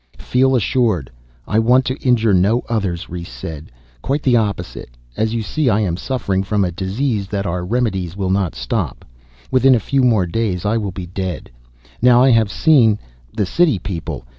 "Feel assured ... I want to injure no others," Rhes said. "Quite the opposite. As you see I am suffering from a disease that our remedies will not stop. Within a few more days I will be dead. Now I have seen ... the city people